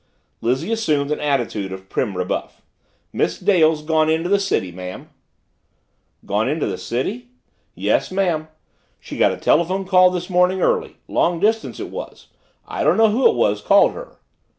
Lizzie assumed an attitude of prim rebuff, "Miss Dale's gone into the city, ma'am." "Gone into the city?" "Yes, ma'am. She got a telephone call this morning, early long distance it was. I don't know who it was called her."